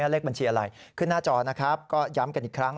เลขบัญชีอะไรขึ้นหน้าจอนะครับก็ย้ำกันอีกครั้ง